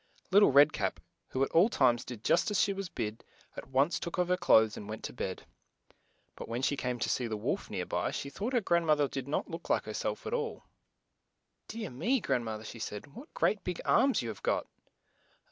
Lit tle Red Cap, who at all times did just as she was bid, at once took off her clothes and went to bed. But when she came to see the wolf near by, she thought her grand moth er did not look like her self at all. 114 LITTLE RED CAP "Dear me, grand moth er, " she said, '' what great, big arms you have got